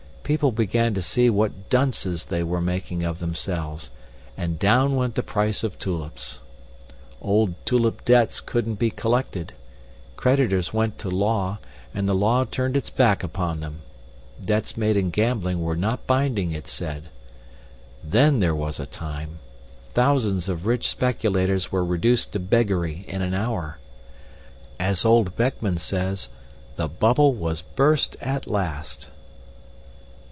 People began to see what dunces they were making of themselves, and down went the price of tulips. Old tulip debts couldn't be collected. Creditors went to law, and the law turned its back upon them; debts made in gambling were not binding, it said. Then there was a time! Thousands of rich speculators were reduced to beggary in an hour. As old Beckman says, 'The bubble was burst at last.